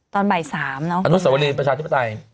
ตอนบ่าย๓อนุสวรีประชาธิปไตย